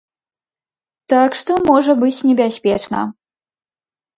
Так што можа быць небяспечна.